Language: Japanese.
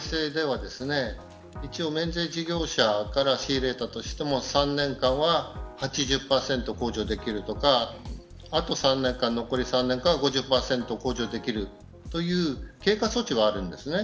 今回の改正では一応、免税事業者から仕入れたとしても３年間は８０％向上できるとかあと、残り３年間は５０％控除できるという経過措置はあるんですね。